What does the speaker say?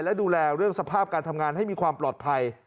และดูแลเรื่องสภาพการทำงานให้มีความปลอดภัย